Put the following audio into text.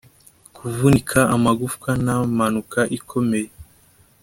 kuvunika amagufwa nta mpanuka ikomeye